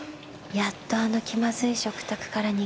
やっとあの気まずい食卓からはぁ。